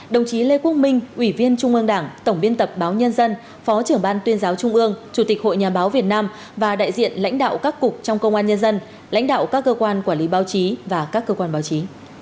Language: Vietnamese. đồng chí lê quốc minh ủy viên trung ương đảng tổng biên tập báo nhân dân phó trưởng ban tuyên giáo trung ương chủ tịch hội nhà báo việt nam và đại diện lãnh đạo các cục trong công an nhân dân lãnh đạo các cơ quan quản lý báo chí và các cơ quan báo chí